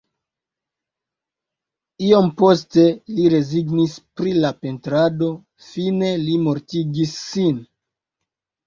Iom poste li rezignis pri la pentrado, fine li mortigis sin.